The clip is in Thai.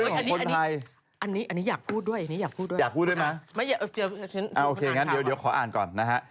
เอ้าคนไทยโดนจับฐานอันนี้อยากพูดด้วยอยากพูดด้วยอยากพูดด้วยมั้ยโอเคอย่างนั้นเดี๋ยวขออ่านก่อนนะฮะ